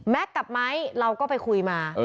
แม๊กกับไมค์เราก็ไปคุยมา